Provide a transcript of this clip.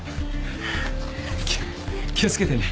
気を付けてね。